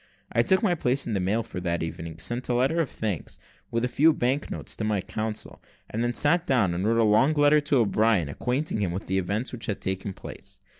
I took my place in the mail for that evening, sent a letter of thanks, with a few bank notes, to my counsel, and then sat down and wrote a long letter to O'Brien, acquainting him with the events which had taken place.